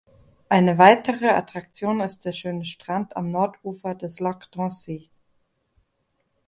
Eine weitere Attraktion ist der schöne Strand am Nordufer des Lac d’Annecy.